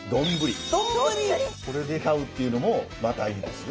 これで飼うっていうのもまたいいですよ。